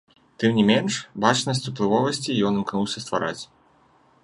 Тым не менш бачнасць уплывовасці ён імкнуўся ствараць.